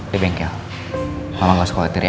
di bengkel memang gak usah khawatir ya